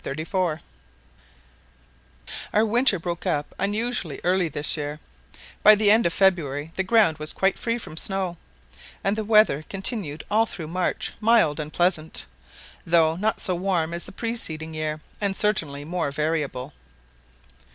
July 13, 1834 OUR winter broke up unusually early this year: by the end of February the ground was quite free from snow, and the weather continued all through March mild and pleasant, though not so warm as the preceding year, and certainly more variable.